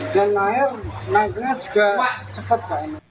dan naiknya juga cepat